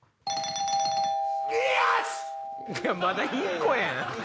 いよしっ‼まだ１個やん！